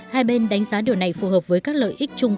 hai bên đánh giá điều này phù hợp với các lợi ích chung